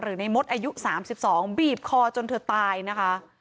ในมดอายุ๓๒บีบคอจนเธอตายนะคะ